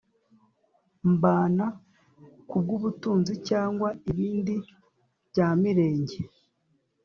mbana kubwubutunzi cyangwa ibindi byamirenge